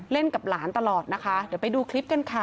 กับหลานตลอดนะคะเดี๋ยวไปดูคลิปกันค่ะ